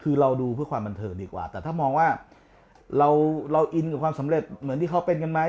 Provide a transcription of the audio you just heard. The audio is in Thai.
คือเราดูเพื่อความบันเทิงดีกว่าแต่ถ้ามองว่าเราอินกับความสำเร็จเหมือนที่เขาเป็นกันไหม